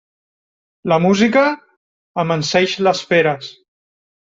La música amanseix les feres.